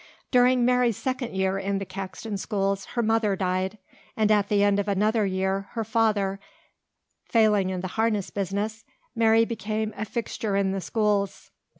During Mary's second year in the Caxton schools her mother died, and at the end of another year, her father, failing in the harness business, Mary became a fixture in the schools.